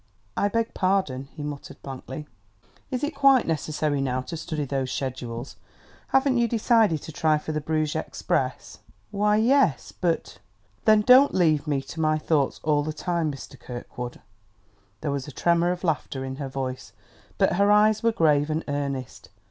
"I beg pardon?" he muttered blankly. "Is it quite necessary, now, to study those schedules? Haven't you decided to try for the Bruges express?" "Why yes, but " "Then please don't leave me to my thoughts all the time, Mr. Kirkwood." There was a tremor of laughter in her voice, but her eyes were grave and earnest.